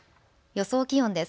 予想気温です。